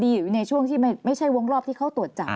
อยู่ในช่วงที่ไม่ใช่วงรอบที่เขาตรวจจับ